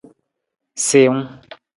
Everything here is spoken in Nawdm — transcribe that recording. Siwung.